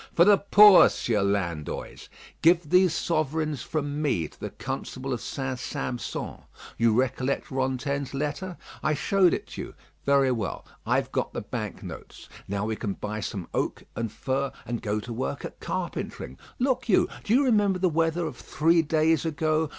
"For the poor, Sieur Landoys. Give those sovereigns from me to the constable of St. Sampson. You recollect Rantaine's letter. I showed it to you. Very well; I've got the bank notes. Now we can buy some oak and fir, and go to work at carpentering. Look you! Do you remember the weather of three days ago?